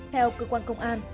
theo cơ quan công an